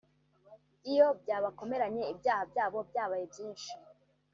iyo byabakomeranye ibyaha byabo byabaye byinshi